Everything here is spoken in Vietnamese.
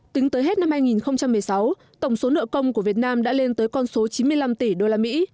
tính tới hết năm hai nghìn một mươi sáu tổng số nợ công của việt nam đã lên tới con số chín mươi năm tỷ usd